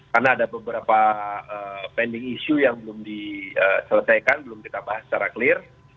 karena ada beberapa pending issue yang belum diselesaikan belum kita bahas secara clear